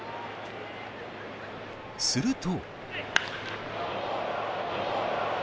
すると。